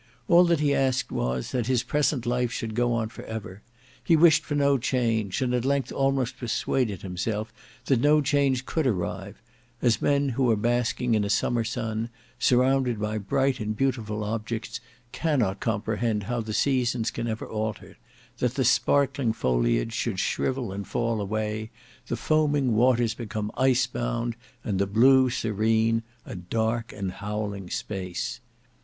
All that he asked was, that his present life should go on for ever; he wished for no change, and at length almost persuaded himself that no change could arrive; as men who are basking in a summer sun, surrounded by bright and beautiful objects, cannot comprehend how the seasons can ever alter; that the sparkling foliage should shrivel and fall away, the foaming waters become icebound, and the blue serene, a dark and howling space.